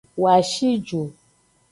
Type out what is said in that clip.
Woa shi ju.